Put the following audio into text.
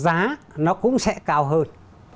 giá nó cũng sẽ cao hơn